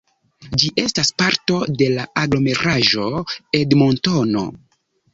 Ĝi estas parto de la Aglomeraĵo Edmontono.